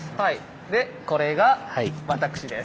でこれが私です。